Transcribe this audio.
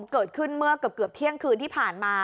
เกิดขึ้นเมื่อเกือบเที่ยงคืนที่ผ่านมา